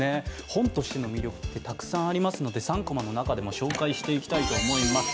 本としての魅力もたくさんありますし、３コマの中でも紹介していきたいと思います。